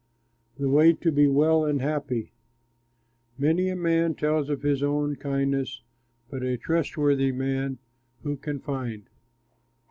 THE WAY TO BE WELL AND HAPPY Many a man tells of his own kindness. But a trustworthy man who can find?